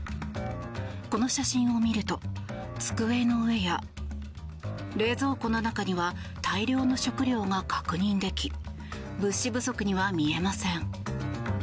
この写真を見ると机の上や冷蔵庫の中には大量の食料が確認でき物資不足には見えません。